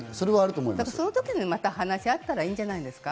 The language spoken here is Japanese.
その時にまた話し合ったらいいんじゃないですか。